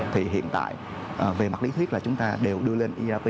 thì hiện tại về mặt lý thuyết là chúng ta đều đưa lên eap